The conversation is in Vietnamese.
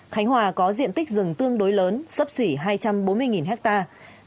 khánh hòa có diện tích rừng tương đối lớn sấp xỉ hai trăm bốn mươi hectare